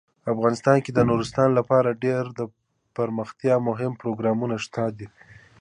افغانستان کې د نورستان لپاره ډیر دپرمختیا مهم پروګرامونه شته دي.